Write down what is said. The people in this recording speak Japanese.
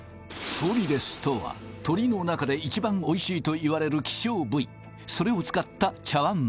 ソリレスとは鶏の中で一番おいしいといわれる希少部位それを使った茶わん